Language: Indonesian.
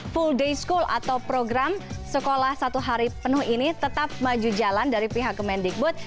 full day school atau program sekolah satu hari penuh ini tetap maju jalan dari pihak kemendikbud